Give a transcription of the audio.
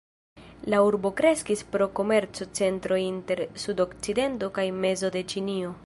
La urbo kreskis pro komerco-centro inter sudokcidento kaj mezo de Ĉinio.